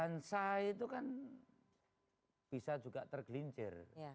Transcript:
hansai itu kan bisa juga tergelincir